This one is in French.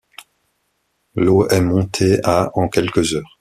L'eau est montée à en quelques heures.